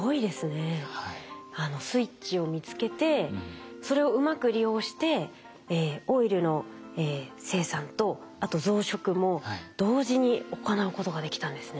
スイッチを見つけてそれをうまく利用してオイルの生産とあと増殖も同時に行うことができたんですね。